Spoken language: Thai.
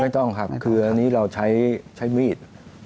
ต้องครับคืออันนี้เราใช้มีด